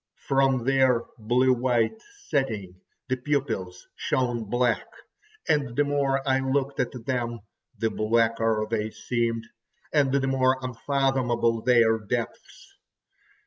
From their blue white setting the pupils shone black, and the more I looked at them the blacker they seemed, and the more unfathomable their depths.